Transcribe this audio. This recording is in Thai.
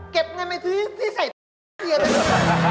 เก็บไงไหมที่ใส่เทียไป